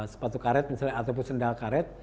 sepatu karet misalnya ataupun sendal karet